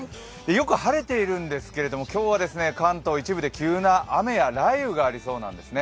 よく晴れているんですけど、今日は関東一部で急な雨や雷雨がありそうなんです。